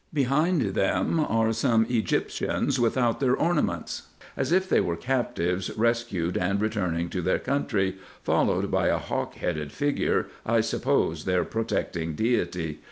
Behind them are some Egyptians without their ornaments, as if they were captives rescued and returning to their country, followed by a hawk headed figure, I suppose their protecting deity.